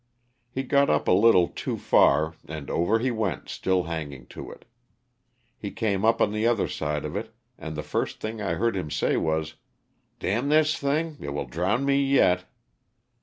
He got up a little too far and over he went still hang ing to it. He came up on the other side of it and the first thing I heard him say was " d — n this thing, it will drown me yet.'